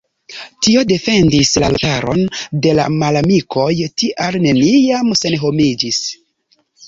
Tio defendis la loĝantaron de la malamikoj, tial neniam senhomiĝis.